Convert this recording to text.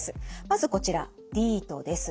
まずこちらディートです。